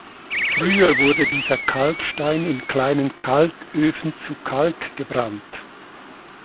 Früher wurde dieser Kalkstein in kleinen Kalköfen zu Kalk gebrannt.